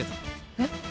えっ？